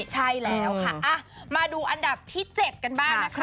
ใช่แล้วค่ะมาดูอันดับที่๗กันบ้างนะคะ